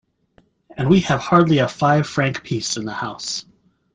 And we have hardly a five-franc piece in the house.